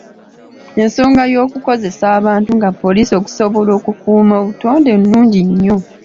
Ensonga ey’okukozesa abantu nga poliisi okusobola okukuuma obutonde nnungi nnyo.